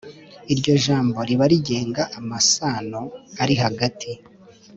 Iryo jambo riba rigenga amasano arihagati